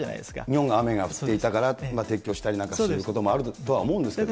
日本が雨が降っていたから、撤去したりなんかすることもあると思うんですけどね。